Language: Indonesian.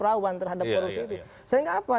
rawan terhadap korupsi ini sehingga apa